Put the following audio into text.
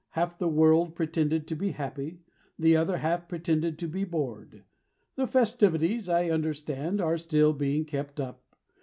Half the world pretended to be happy, The other half pretended to be bored. The festivities, I understand, Are still being kept up.